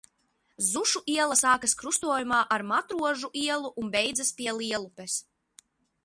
Zušu iela sākas krustojumā ar Matrožu ielu un beidzas pie Lielupes.